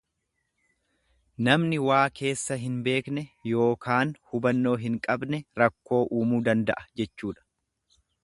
Namni waa keessa hin beekne yookaan hubannoo hin qabne rakkoo uumuu danda'a jechuudha.